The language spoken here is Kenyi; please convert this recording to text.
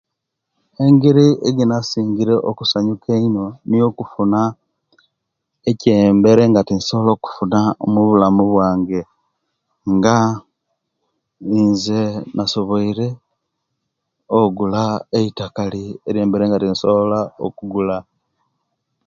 Engeri ejinasingire okusanyuka eino nikwo ekymbere nga tinsobola okufuna omubulamu bwange nga nze nasobweire ogula eitakali eiriye enbaire nga tinsobola okugula